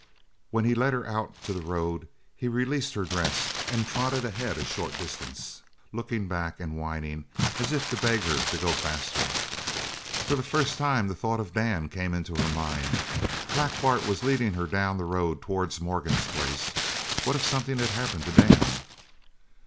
When he led her out to the road he released her dress and trotted ahead a short distance, looking back and whining, as if to beg her to go faster. For the first time the thought of Dan came into her mind. Black Bart was leading her down the road towards Morgan's place. What if something had happened to Dan?